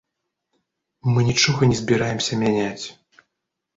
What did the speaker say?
Мы нічога не збіраемся мяняць.